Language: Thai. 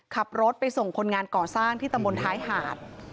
ขับรถไปส่งคนงานก่อสร้างที่ตำบลท้ายหาด